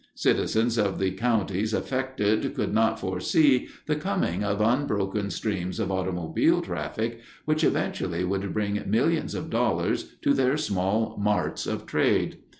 Citizens of the counties affected could not foresee the coming of unbroken streams of automobile traffic, which eventually would bring millions of dollars to their small marts of trade.